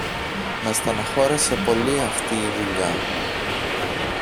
Με στενοχώρεσε πολύ αυτή η δουλειά